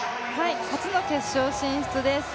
初の決勝進出です。